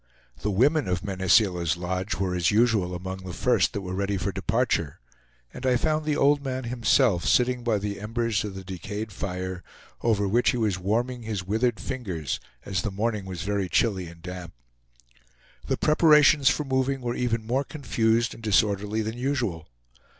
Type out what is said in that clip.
The women of Mene Seela's lodge were as usual among the first that were ready for departure, and I found the old man himself sitting by the embers of the decayed fire, over which he was warming his withered fingers, as the morning was very chilly and damp. The preparations for moving were even more confused and disorderly than usual.